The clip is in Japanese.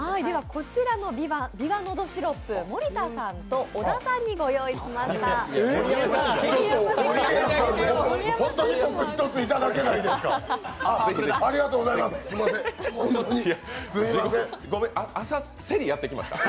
こちらのビワのどシロップ、森田さんと小田さんにご用意しました。